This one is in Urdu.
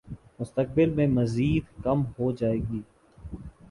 مستقبل میں مزید کم ہو جائے گی